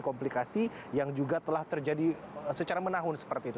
komplikasi yang juga telah terjadi secara menahun seperti itu